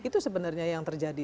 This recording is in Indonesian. itu sebenarnya yang terjadi